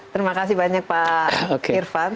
terima kasih banyak pak irfan